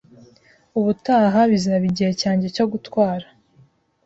Ubutaha bizaba igihe cyanjye cyo gutwara.